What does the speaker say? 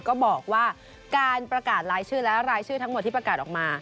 ก็บอกว่าการประกาศรายชื่อและรายชื่อทั้งหมดที่ประกาศออกมา